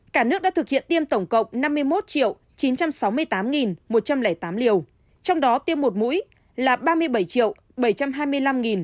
cả nước đã thực hiện tiêm tổng cộng năm mươi một chín trăm sáu mươi tám một trăm linh tám liều trong đó tiêm một mũi là ba mươi bảy bảy mươi tám